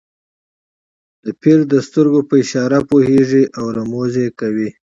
د پیر د سترګو په اشاره پوهېږي او رموز یې کوي.